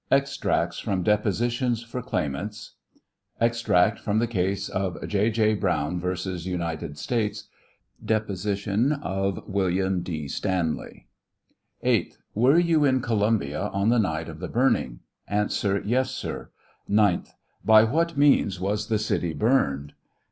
EXTRACTS FEOM DEPOSITIONS FOR CLAIM ANTS. Extracts from caSe of J. J. Browne vs. United States : Deposition of Wm. J). Stanley. 8th. Were you in Columbia on the night of the burn ing? A. Yes, sir. 9th. By what means was the city burned